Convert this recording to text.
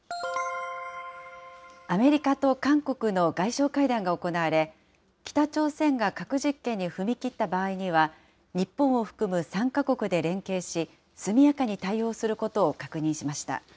アメリカと韓国の外相会談が行われ、北朝鮮が核実験に踏み切った場合には、日本を含む３か国で連携し、速やかに対応することを確認しました。